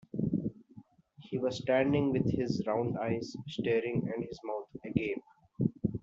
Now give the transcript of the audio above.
He was standing with his round eyes staring and his mouth agape.